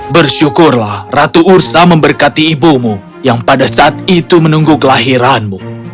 bersyukurlah ratu ursa memberkati ibumu yang pada saat itu menunggu kelahiranmu